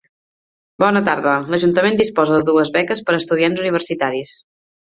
Bona tarda, l'Ajuntament disposa de dues beques per estudiants universitaris.